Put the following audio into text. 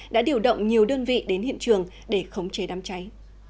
đã điều động nhiều đơn vị đến hiện trường để khống chế đám cháy